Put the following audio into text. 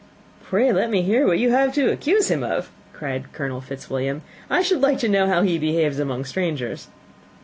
"Pray let me hear what you have to accuse him of," cried Colonel Fitzwilliam. "I should like to know how he behaves among strangers."